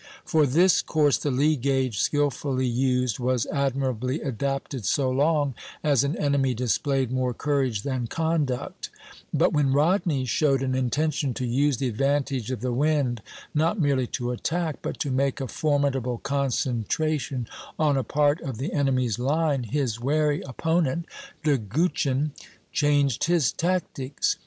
For this course the lee gage, skilfully used, was admirably adapted so long as an enemy displayed more courage than conduct; but when Rodney showed an intention to use the advantage of the wind, not merely to attack, but to make a formidable concentration on a part of the enemy's line, his wary opponent, De Guichen, changed his tactics.